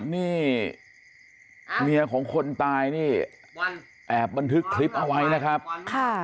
นี่เมียของคนตายนี่แอบบันทึกคลิปเอาไว้นะครับค่ะ